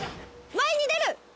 前に出る！